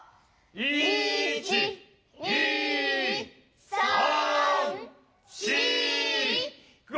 １２３４５！